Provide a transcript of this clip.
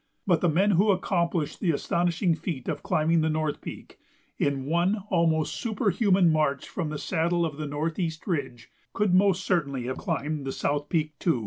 But the men who accomplished the astonishing feat of climbing the North Peak, in one almost superhuman march from the saddle of the Northeast Ridge, could most certainly have climbed the South Peak too.